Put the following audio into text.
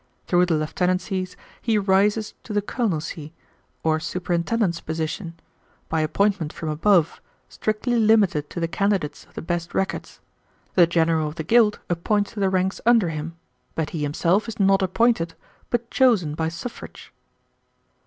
Through the lieutenancies he rises to the colonelcy, or superintendent's position, by appointment from above, strictly limited to the candidates of the best records. The general of the guild appoints to the ranks under him, but he himself is not appointed, but chosen by suffrage."